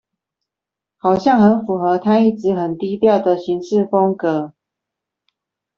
好像很符合他一直很低調的行事風格